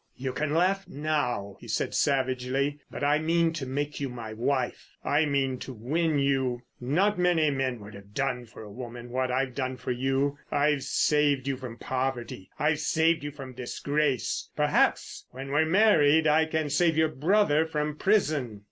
"You can laugh now," he said savagely. "But I mean to make you my wife. I mean to win you. Not many men would have done for a woman what I've done for you. I've saved you from poverty, I've saved you from disgrace. Perhaps when we're married I can save your brother from prison."